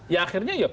ya akhirnya ya